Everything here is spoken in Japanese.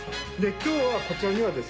今日はこちらにはですね